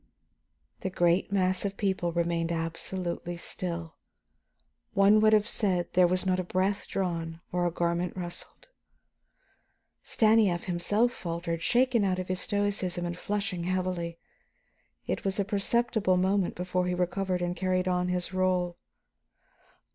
The great mass of people remained absolutely still. One would have said there was not a breath drawn or a garment rustled. Stanief himself faltered, shaken out of his stoicism and flushing heavily; it was a perceptible moment before he recovered and carried on his rôle.